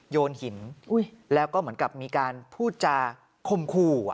โยนหินแล้วก็เหมือนกับมีการพูดจาคมคู่